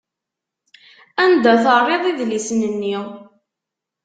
Anda terriḍ idlisen-nni?